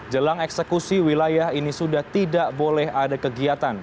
jelang eksekusi wilayah ini sudah tidak boleh ada kegiatan